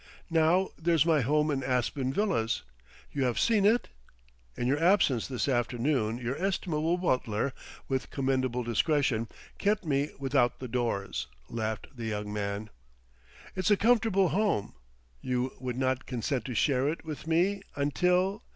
Now there's my home in Aspen Villas.... You have seen it?" "In your absence this afternoon your estimable butler, with commendable discretion, kept me without the doors," laughed the young man. "It's a comfortable home. You would not consent to share it with me until